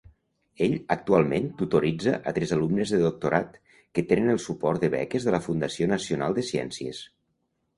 Ell actualment tutoritza a tres alumnes de doctorat que tenen el suport de beques de la Fundació nacional de ciències.